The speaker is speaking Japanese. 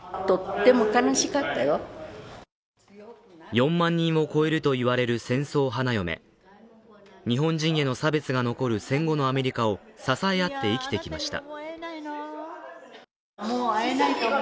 ４万人を超えると言われる戦争花嫁日本人への差別が残る戦後のアメリカを支え合って生きてきました。